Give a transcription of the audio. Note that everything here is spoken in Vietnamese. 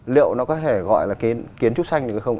liệu nó có thể gọi là kiến trúc xanh được hay không ạ